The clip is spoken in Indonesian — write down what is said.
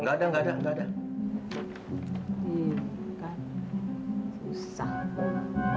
enggak ada enggak ada enggak ada